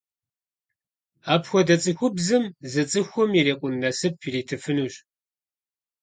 Апхуэдэ цӏыхубзым зы цӏыхум ирикъун насып иритыфынущ.